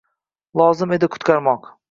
Lozim edi qutqarmoq.